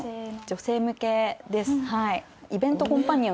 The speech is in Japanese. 女性向けです